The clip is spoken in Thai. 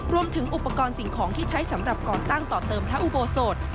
รวมถึงอุปกรณ์สิ่งของที่ใช้สำหรับก่อสร้างต่อเติมพระอุโบสถ